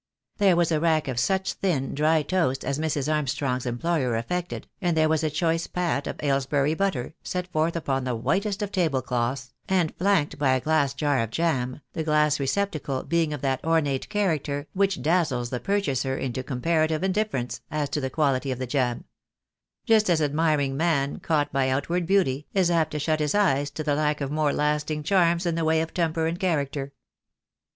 There was a rack of such thin, dry toast as Mrs. Armstrong's employer affected, and there was a choice pat of Aylesbury butter, set forth upon the whitest of table cloths, and flanked by a glass jar of jam, the glass receptacle being of that ornate character which dazzles the purchaser into comparative indifference as to the quality of the jam; just as admiring man, caught by outward beauty, is apt to shut his eyes to the lack of more lasting charms in the way of temper and character.